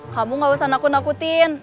kamu gak usah nakut nakutin